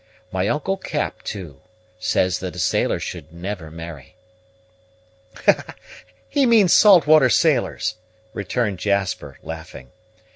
My uncle Cap, too, says that a sailor should never marry." "He means salt water sailors," returned Jasper, laughing.